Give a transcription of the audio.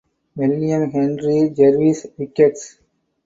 William Henry Jervis Ricketts.